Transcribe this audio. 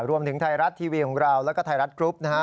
รวมถึงไทยรัชทีวีและไทยรัชกรุป